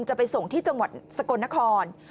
จะไปส่งที่จังหวัดสกลนคร